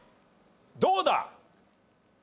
どうだ？